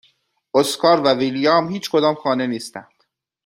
اسکار و ویلیام هیچکدام خانه نیستند.